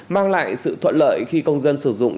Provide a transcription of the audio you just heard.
mang lại sự thuận lợi khi công dân sử dụng